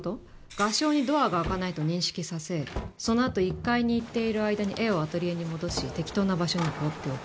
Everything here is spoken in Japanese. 画商にドアが開かないと認識させそのあと１階に行っている間に絵をアトリエに戻し適当な場所に放っておく。